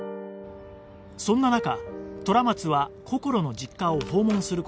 そんな中虎松はこころの実家を訪問する事に